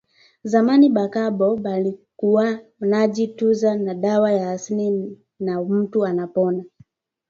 Zamani ba kambo balikuwaka naji tunza na dawa ya asili na mutu anapona